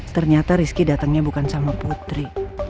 ternyata rizki datangnya bukan sama putri